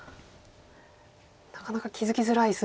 なかなか気付きづらい筋。